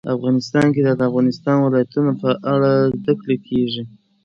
افغانستان کې د د افغانستان ولايتونه په اړه زده کړه کېږي.